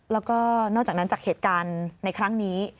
แล้วก็นอกจากนั้นจากเหตุการณ์ในครั้งนี้